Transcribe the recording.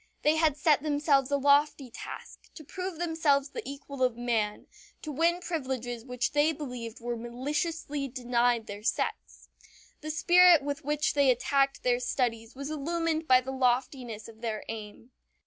They had set themselves a lofty task: to prove themselves the equal of man to win privileges which they believed were maliciously denied their sex. The spirit with which they attacked their studies was illumined by the loftiness of their aim.